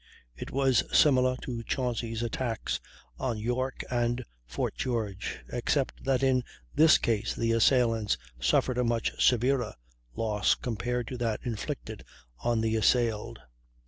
It was similar to Chauncy's attacks on York and Fort George, except that in this case the assailants suffered a much severer loss compared to that inflicted on the assailed.